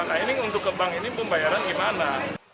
nah ini untuk ke bank ini pembayaran gimana